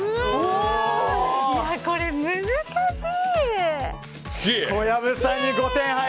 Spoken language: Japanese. これ、難しい！